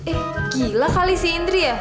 eh gila kali sih indri ya